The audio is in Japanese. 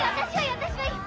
私はいい！